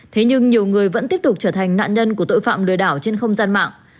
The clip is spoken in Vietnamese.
thế nhưng nhiều người vẫn tiếp tục trở thành nạn nhân của tội phạm lừa đảo trên không gian mạng